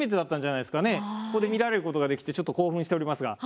ここで見られることができてちょっと興奮しておりますが。